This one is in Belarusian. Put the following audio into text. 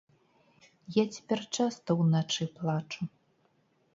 Я цяпер часта ўначы плачу.